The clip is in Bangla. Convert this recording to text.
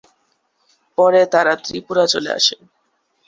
পরে তারা ত্রিপুরা চলে আসেন।